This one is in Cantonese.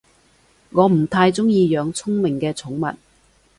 我唔太鍾意養聰明嘅寵物